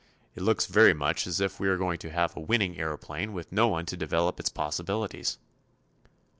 It looks very much as if we were going to have a winning aëroplane with no one to develop its possibilities."